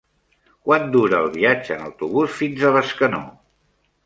Quant dura el viatge en autobús fins a Bescanó?